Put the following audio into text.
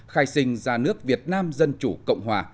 khai sinh ra nước việt nam dân chủ cộng hòa